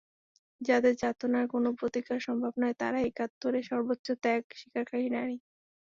যাঁদের যাতনার কোনো প্রতিকার সম্ভব না, তাঁরাই একাত্তরে সর্বোচ্চ ত্যাগ স্বীকারকারী নারী।